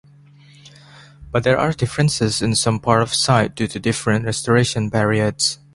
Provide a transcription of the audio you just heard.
But there are differences in some part of site due to different restoration periods.